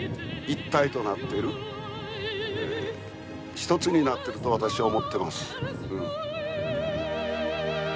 一つになってると私は思ってます。